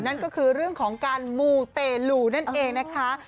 นั่นก็คือเรื่องของการมูเตลูนั่นเองนะคะ